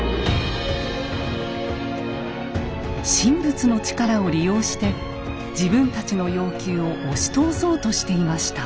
神仏の力を利用して自分たちの要求を押し通そうとしていました。